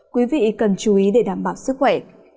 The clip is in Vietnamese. quý vị cần chú ý để đảm bảo sức khỏe